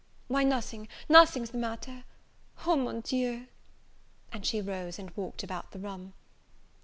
"Why nothing nothing's the matter. O mon Dieu!" And she rose, and walked about the room.